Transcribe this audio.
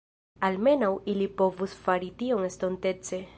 Almenaŭ ili povus fari tion estontece.